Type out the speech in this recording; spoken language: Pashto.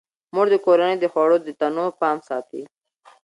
مور د کورنۍ د خوړو د تنوع پام ساتي.